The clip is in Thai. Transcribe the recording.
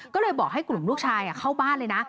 ก็เลยบอกให้กลุ่มลูกชายเข้าบ้านเลยนะ